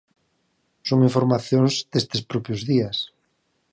Son informacións destes propios días.